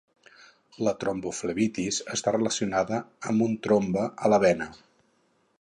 La tromboflebitis està relacionada amb un trombe a la vena.